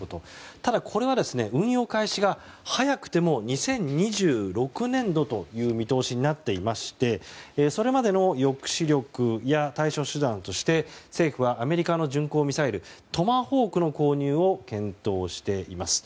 ただ、これは運用開始が早くても２０２６年度という見通しになっていましてそれまでの抑止力や対処手段として政府はアメリカの巡航ミサイルトマホークの購入を検討しています。